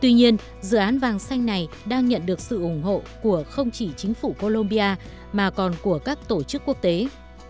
tuy nhiên dự án vàng xanh này đang nhận được sự ủng hộ của không chỉ chính phủ colombia mà còn của các cộng đồng việt nam